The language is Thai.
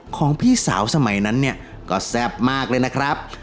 ของพี่สาวสมัยนั้นเนี่ยก็แซ่บมากเลยนะครับ